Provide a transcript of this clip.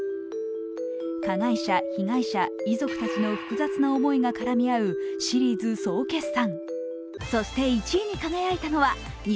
加害者、被害者、遺族たちの複雑な思いが絡み合うシリーズ総決算。